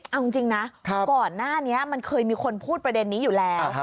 เอาจริงนะก่อนหน้านี้มันเคยมีคนพูดประเด็นนี้อยู่แล้ว